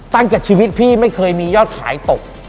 ตั้งแต่ชีวิตพี่ไม่เคยมียอดขายตก